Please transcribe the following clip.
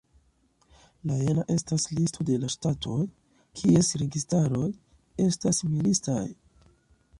La jena estas listo de la ŝtatoj kies registaroj estas militistaj.